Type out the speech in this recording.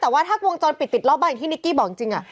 แต่ว่าถ้าวงจรปิดติดรอบบ้านอย่างที่นิกกี้บอกจริง